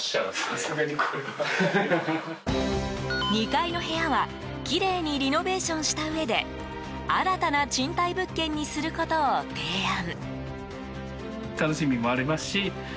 ２階の部屋は、きれいにリノベーションしたうえで新たな賃貸物件にすることを提案。